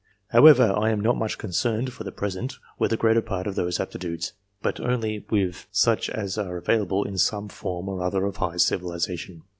However, I am not much concerned, for the present, with the greater part of those aptitudes, but only with such as are available in some form or other of high civilization.